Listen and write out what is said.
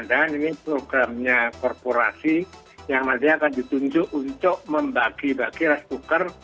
dan ini programnya korporasi yang nanti akan ditunjuk untuk membagi bagi rest cooker